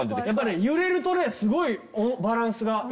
やっぱ揺れるとねすごいバランスが。